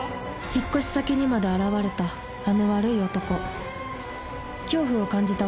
引っ越し先にまで現れたあの悪い男恐怖を感じた